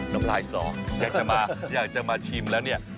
น้ำลายสออยากจะมาชิมแล้วเนี่ย